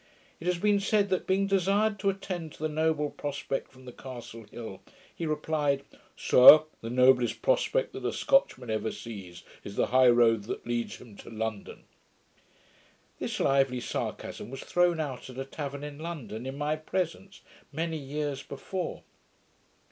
It has been said, that being desired to attend to the noble prospect from the Castle Hill, he replied, 'Sir, the noblest prospect that a Scotchman ever sees, is the high road that leads him to London.' This lively sarcasm was thrown out at a tavern in London, in my presence, many years before.